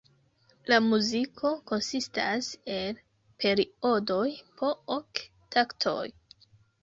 La muziko konsistas el periodoj po ok taktoj.